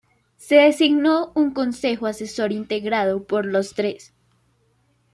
Se designó un Consejo Asesor integrado por los Dres.